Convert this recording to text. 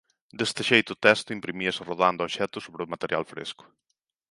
Deste xeito o texto imprimíase rodando o obxecto sobre o material fresco.